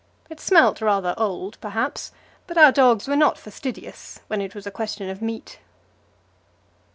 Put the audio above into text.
It smelt rather old, perhaps, but our dogs were not fastidious when it was a question of meat.